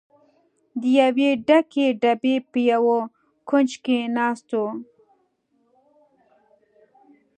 د یوې ډکې ډبې په یوه کونج کې ناست و.